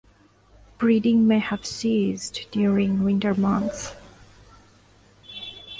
Breeding may have ceased during winter months.